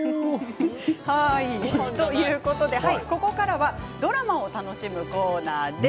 ここからはドラマを楽しむコーナーです。